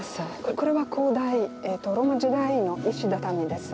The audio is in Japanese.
これは古代ローマ時代の石畳です。